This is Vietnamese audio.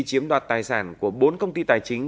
chiếm đoạt tài sản của bốn công ty tài chính